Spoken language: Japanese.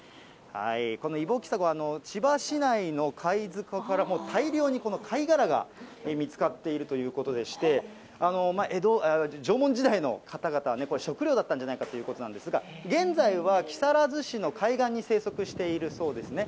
このイボキサゴ、千葉市内の貝塚から大量に貝殻が見つかっているということでして、縄文時代の方々の食料だったんじゃないかということなんですが、現在は木更津市の海岸に生息しているそうですね。